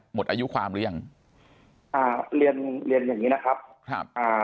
หมดอายุความหรือยังอ่าเรียนเรียนเรียนอย่างงี้นะครับครับอ่า